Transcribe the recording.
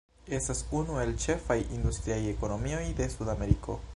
Estas unu el ĉefaj industriaj ekonomioj de Sudameriko.